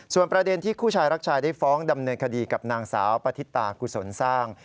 ส่วนประเด็นที่คู่ชายรักชายได้ฟ้องดำเนินคดีกับนางสาวปฏิตากุศลสร้าง